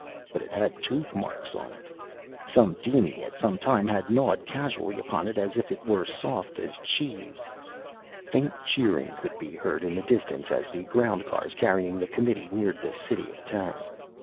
But it had tooth marks on it. Some diny, at some time, had gnawed casually upon it as if it were soft as cheese. Faint cheering could be heard in the distance as the ground cars carrying the committee neared the city of Tara.